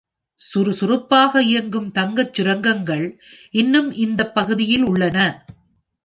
சுறுசுறுப்பாக இயங்கும் தங்க சுரங்கங்கள் இன்னும் இந்த பகுதியில் உள்ளன.